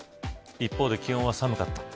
一方で気温は寒かった。